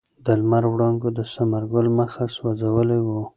د لمر وړانګو د ثمر ګل مخ سوځولی و.